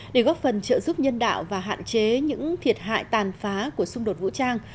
để góp phần trợ giúp nhân đạo và hạn chế những thiệt hại tàn phá của xung đột vũ trang